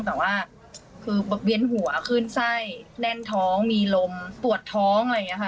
แต่ว่าเบียนหัวขึ้นไส้แน่นท้องมีลมปวดท้อง